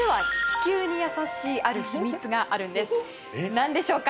なんでしょうか？